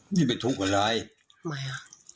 นี่เป็นทุกข์กับอะไร